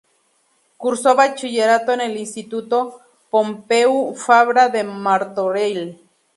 Cursó Bachillerato en el Instituto Pompeu Fabra de Martorell.